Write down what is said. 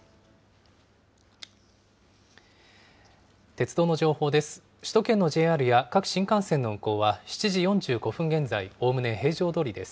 鉄道の情報です。